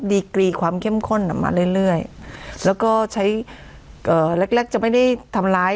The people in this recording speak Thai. กรีความเข้มข้นออกมาเรื่อยเรื่อยแล้วก็ใช้เอ่อแรกแรกจะไม่ได้ทำร้าย